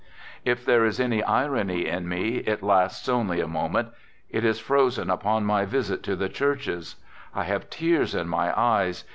... If there is any irony in me, it lasts only a mo ment. It is frozen upon my visit to the churches. I have tears in my eyes.